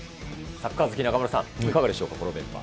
サッカー好き、中丸さん、いかがでしょうか？